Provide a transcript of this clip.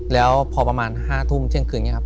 แล้วพอประมาณ๕ทุ่มเที่ยงคืนนี้ครับ